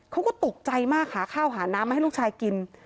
เขาก็ตกใจมากหาข้าวหาน้ำมาให้ลูกชายกิน